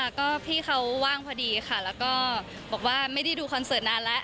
ก็พี่เขาว่างพอดีค่ะแล้วก็บอกว่าไม่ได้ดูคอนเสิร์ตนานแล้ว